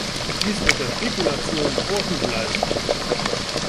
Dies wird der Spekulation Vorschub leisten.